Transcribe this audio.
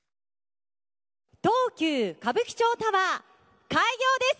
東急歌舞伎町タワー、開業です。